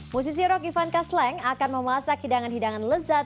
musisi rock ivanka sleng akan memasak hidangan hidangan lezat